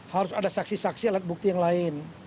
harus ada saksi saksi alat bukti yang lain